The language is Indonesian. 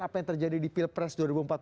apa yang terjadi di pilpres dua ribu empat belas